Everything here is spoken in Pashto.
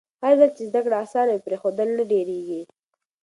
هرځل چې زده کړه اسانه وي، پرېښودل نه ډېرېږي.